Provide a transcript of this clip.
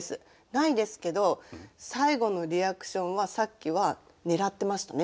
ないんですけど最後のリアクションはさっきは狙ってましたね」